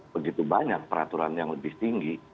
begitu banyak peraturan yang lebih tinggi